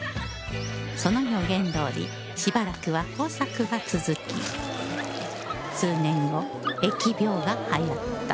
その予言どおりしばらくは豊作が続き数年後疫病が流行った